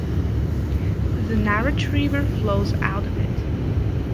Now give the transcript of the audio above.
The Narach River flows out of it.